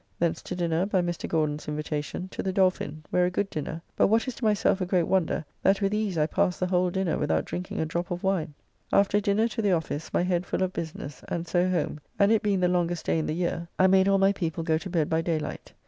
Thence to dinner, by Mr. Gauden's invitation, to the Dolphin, where a good dinner; but what is to myself a great wonder; that with ease I past the whole dinner without drinking a drop of wine. After dinner to the office, my head full of business, and so home, and it being the longest day in the year, [That is, by the old style. The new style was not introduced until 1752] I made all my people go to bed by daylight.